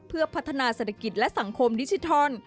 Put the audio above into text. เพื่อพัฒนาเศรษฐกิจและสังคมดิจิทัล